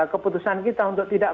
keputusan kita untuk tidak